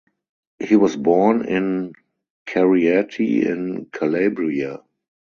He was born in Cariati in Calabria.